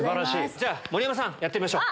盛山さんやってみましょう。